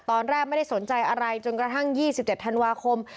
ตอนแรกไม่ได้สนใจอะไรจนกระทั่ง๒๗ธันวาคม